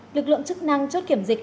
lực lượng chức năng chốt kiểm dịch